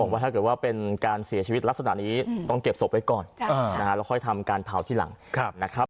ว่าถ้าเกิดว่าเป็นการเสียชีวิตลักษณะนี้ต้องเก็บศพไว้ก่อนแล้วค่อยทำการเผาที่หลังนะครับ